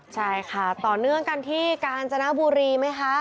ใช่ค่ะต่อเนื่องกันที่กาญจนบุรีไหมคะ